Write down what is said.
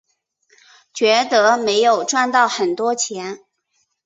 觉得没有赚到很多钱